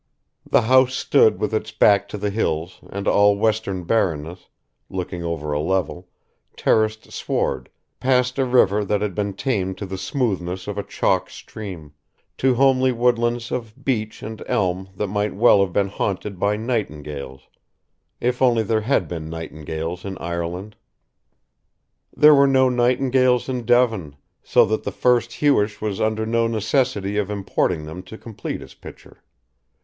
The house stood with its back to the hills and all western barrenness, looking over a level, terraced sward, past a river that had been tamed to the smoothness of a chalk stream, to homely woodlands of beech and elm that might well have been haunted by nightingales if only there had been nightingales in Ireland. There were no nightingales in Devon, so that the first Hewish was under no necessity of importing them to complete his picture.